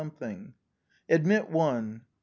ADMIT ONE. N.